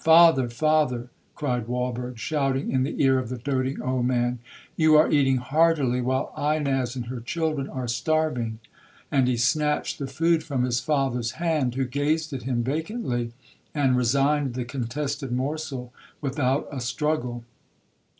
'—'Father—father,' cried Walberg, shouting in the ear of the doting old man, 'you are eating heartily, while Ines and her children are starving!' And he snatched the food from his father's hand, who gazed at him vacantly, and resigned the contested morsel without a struggle.